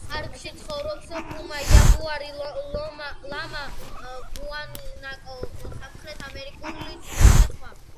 პარკში ცხოვრობა პუმა, იაგუარი, ლამა, გუანაკო, სამხრეთ ამერიკული ტაპირი და სხვა.